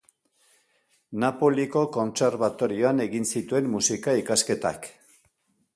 Napoliko kontserbatorioan egin zituen musika-ikasketak.